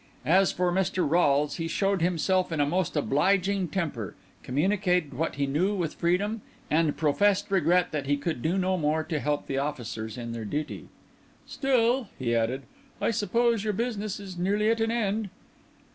As for Mr. Rolles, he showed himself in a most obliging temper, communicated what he knew with freedom, and professed regret that he could do no more to help the officers in their duty. "Still," he added, "I suppose your business is nearly at an end."